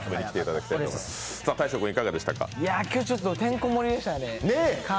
今日ちょっとてんこ盛りでしたね。